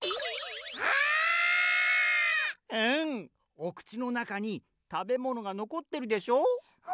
おくちのなかにたべものがのこってるでしょう？